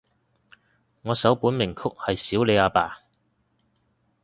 我首本名曲係少理阿爸